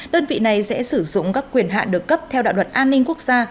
đơn vị này sẽ sử dụng các quyền hạn được cấp theo đạo luật an ninh quốc gia